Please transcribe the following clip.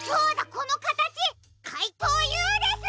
このかたちかいとうＵです！